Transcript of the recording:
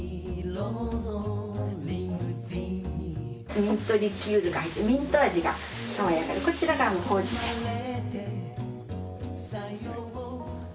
ミントリキュールが入ってミント味が爽やかでこちらが合うのほうじ茶です。